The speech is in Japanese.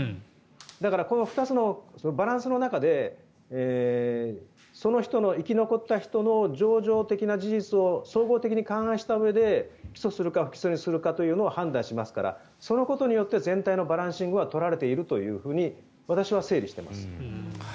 だからこの２つのバランスの中でその人の生き残った人の情状的な事実を総合的に勘案したうえで起訴するか不起訴にするかというのを判断しますからそのことによって全体のバランシングは取られていると私は整理しています。